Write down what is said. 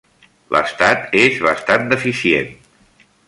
L'estat és bastant deficient.